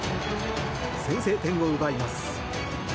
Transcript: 先制点を奪います。